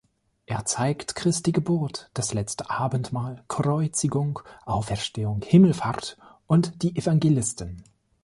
Er zeigt Christi Geburt, das Letzte Abendmahl, Kreuzigung, Auferstehung, Himmelfahrt und die Evangelisten.